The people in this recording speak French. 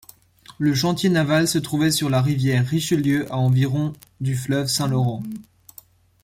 Le chantier naval se trouvait sur la rivière Richelieu à environ du fleuve Saint-Laurent.